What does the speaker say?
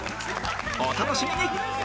お楽しみに！